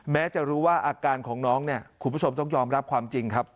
แม้จะรู้ว่าอาการของน้องเนี่ยคุณผู้ชมต้องยอมรับความจริงครับ